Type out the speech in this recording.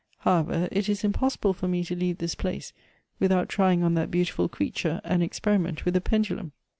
How ever, it is impossible for me to leave this place without trying on that beautiful creature an experiment with the pendulum.''